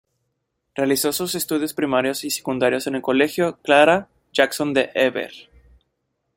Realizó sus estudios primarios y secundarios en el Colegio Clara Jackson de Heber.